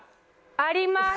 あります。